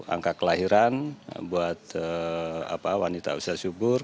angka kelahiran buat wanita usia syukur